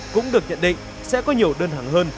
cũng được nhận định sẽ có nhiều đơn hàng hơn